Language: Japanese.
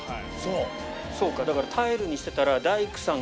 そうかタイルにしてたら大工さん